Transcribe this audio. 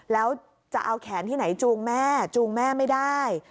แล้วจะเอาแขนที่ไหนจูงแม่จูงแม่ไม่ได้